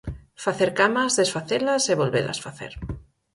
Facer camas, desfacelas e volvelas facer.